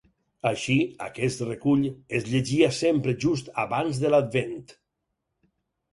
Així, aquest recull es llegia sempre just abans de l'Advent.